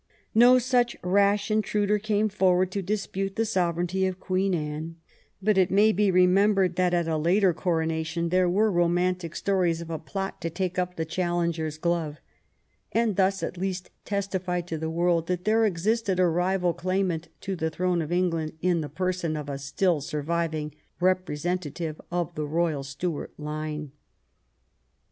No such rash intruder came forward to dispute the sovereignty of Queen Anne, but it may be remembered that at a later coronation there were romantic stories 64 THOSE AROUND QUEEN ANNE of a plot to take up the challenger's glove, and thus at least testify to the world that there existed a rival claim ant to the throne of England in the person of a still surviving representative of the royal Stuart line.